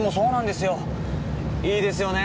いいですよね